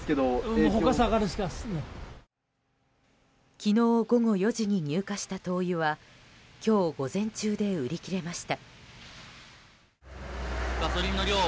昨日午後４時に入荷した灯油は今日午前中で売り切れました。